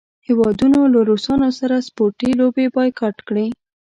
هیوادونو له روسانو سره سپورټي لوبې بایکاټ کړې.